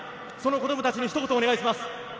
その子供たちにひと言、お願いします。